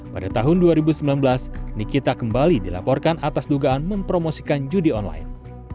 pada tahun dua ribu sembilan belas nikita kembali dilaporkan atas dugaan mempromosikan judi online